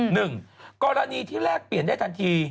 หนึ่งกรณีที่แลกเปลี่ยนได้ทันที